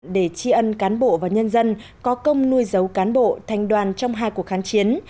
để tri ân cán bộ và nhân dân có công nuôi dấu cán bộ thành đoàn trong hai cuộc kháng chiến